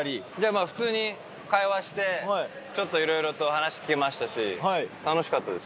まあ普通に会話してちょっと色々と話聞けましたし楽しかったです。